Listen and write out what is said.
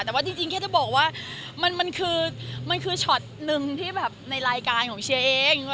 แต่ว่าจริงแค่จะบอกว่ามันคือมันคือช็อตหนึ่งที่แบบในรายการของเชียร์เอง